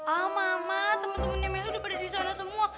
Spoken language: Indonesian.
oh mama temen temennya melly udah pada di sana semua